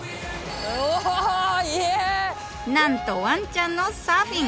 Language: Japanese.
なんとわんちゃんのサーフィン！